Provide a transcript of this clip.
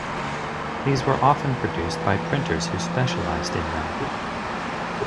These were often produced by printers who specialised in them.